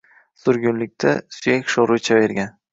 Surgunlikda suyak sho‘rva ichavergan.